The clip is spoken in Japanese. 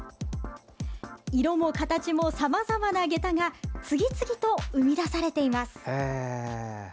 色も形も、さまざまなげたが次々と生み出されています。